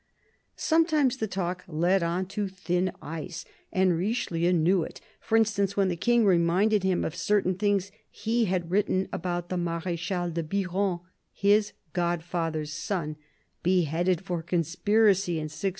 Sometimes the talk led on to thin ice, and Richelieu knew it : for instance, when the King reminded him of certain things he had written about the Marechal de Biron, his godfather's son, beheaded for conspiracy in 1602.